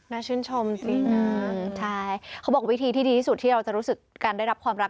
ชื่นชมจริงนะใช่เขาบอกวิธีที่ดีที่สุดที่เราจะรู้สึกการได้รับความรัก